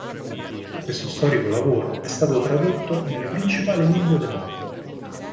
Questo storico lavoro è stato tradotto nelle principali lingue del mondo.